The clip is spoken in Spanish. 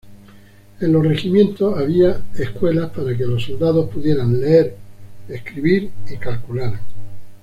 En los regimientos había escuelas para que los soldados pudieran leer, escribir y calcular.